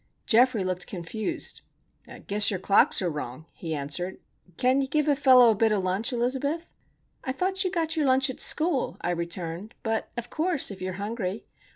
Geoffrey looked confused. "'Guess your clocks are wrong," he answered. "Can you give a fellow a bit of lunch, Elizabeth?" "I thought you got your lunch at school," I returned. "But, of course,—if you are hungry.